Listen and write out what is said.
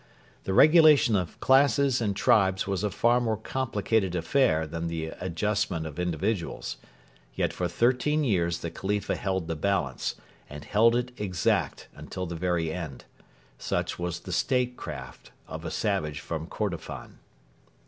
The regulation of classes and tribes was a far more complicated affair than the adjustment of individuals. Yet for thirteen years the Khalifa held the balance, and held it exact until the very end. Such was the statecraft of a savage from Kordofan.